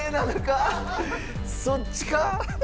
そっちか？